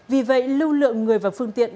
vì vậy lưu lượng người và phương tiện